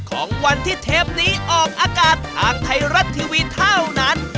ของวันที่เทปนี้ออกอากาศทางไทยรัฐทีวีเท่านั้น